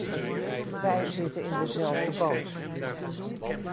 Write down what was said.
Wij zitten in dezelfde boot.